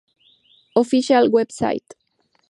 Official web site